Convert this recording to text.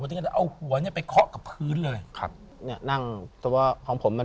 ลงอย่างไรเขาว่าลงเหมือน